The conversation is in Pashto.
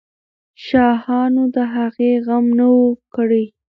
شاهانو د هغې غم نه وو کړی.